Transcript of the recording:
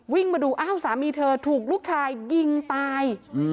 มาดูอ้าวสามีเธอถูกลูกชายยิงตาย